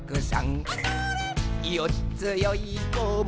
「よっつよいこも